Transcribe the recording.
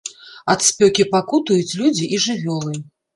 Ад спёкі пакутуюць людзі і жывёлы.